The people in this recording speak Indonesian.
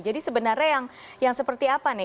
jadi sebenarnya yang seperti apa nih